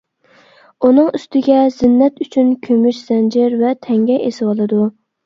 ئۇنىڭ ئۈستىگە زىننەت ئۈچۈن كۈمۈش زەنجىر ۋە تەڭگە ئېسىۋالىدۇ.